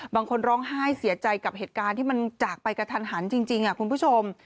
ร้องไห้เสียใจกับเหตุการณ์ที่มันจากไปกระทันหันจริงคุณผู้ชม